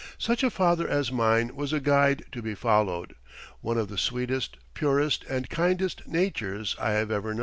Such a father as mine was a guide to be followed one of the sweetest, purest, and kindest natures I have ever known.